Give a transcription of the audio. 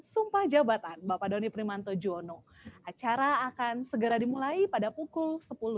sumpah jabatan bapak doni primanto jono acara akan segera dimulai pada pukul sepuluh